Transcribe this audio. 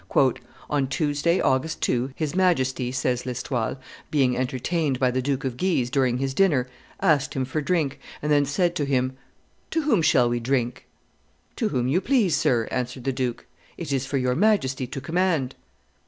"On Tuesday, August 2, his Majesty," says L'Estoile, "being entertained by the Duke of Guise during his dinner, asked him for drink, and then said to him, 'To whom shall we drink?' 'To whom you please, sir,' answered the duke; 'it is for your Majesty to command.